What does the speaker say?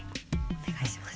お願いします。